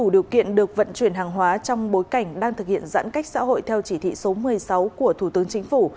điều kiện được vận chuyển hàng hóa trong bối cảnh đang thực hiện giãn cách xã hội theo chỉ thị số một mươi sáu của thủ tướng chính phủ